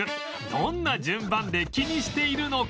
どんな順番で気にしているのか？